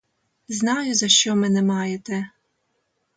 Знаю, за що мене маєте.